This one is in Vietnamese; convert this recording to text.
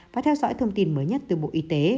và theo dõi thông tin mới nhất từ bộ y tế